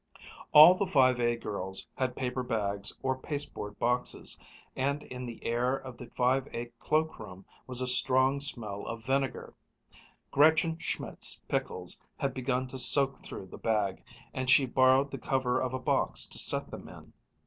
All the Five A girls had paper bags or pasteboard boxes, and in the air of the Five A cloakroom was a strong smell of vinegar. Gretchen Schmidt's pickles had begun to soak through the bag, and she borrowed the cover of a box to set them in.